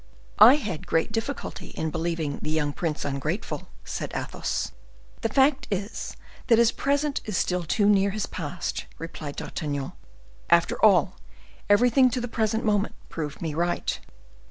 "I had great difficulty in believing the young prince ungrateful," said Athos. "The fact is, that his present is still too near his past," replied D'Artagnan; "after all, everything to the present moment proved me right."